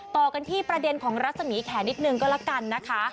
ต่อกันที่ประเด็นของรัศมีแขนนิดนึงก็แล้วกันนะคะ